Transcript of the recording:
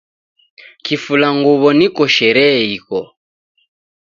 Kifula nguw'o niko sherehe iko